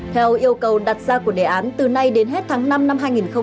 theo yêu cầu đặt ra của đề án từ nay đến hết tháng năm năm hai nghìn hai mươi